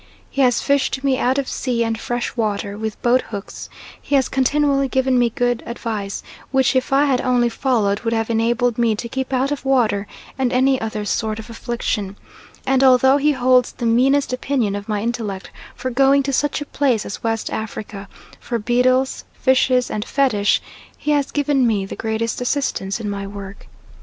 He has fished me out of sea and fresh water with boat hooks; he has continually given me good advice, which if I had only followed would have enabled me to keep out of water and any other sort of affliction; and although he holds the meanest opinion of my intellect for going to such a place as West Africa for beetles, fishes and fetish, he has given me the greatest assistance in my work.